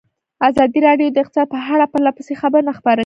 ازادي راډیو د اقتصاد په اړه پرله پسې خبرونه خپاره کړي.